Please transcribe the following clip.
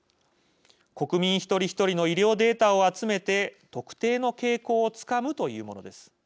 国民１人１人の医療データを集めて特定の傾向をつかむというものです。